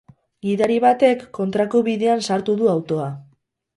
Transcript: Gidari batek kontrako bidean sartu du autoa.